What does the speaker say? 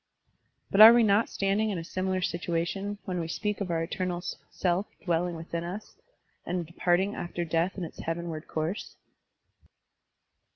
But are we not standing in a similar situation when we speak of our eternal self dwelling within us and departing after death in its heavenward course?